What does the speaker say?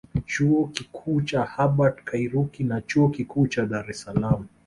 Chuo Kikuu cha Hubert Kairuki na Chuo Kikuu cha Dar es Salaam